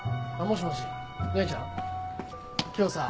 もしもし。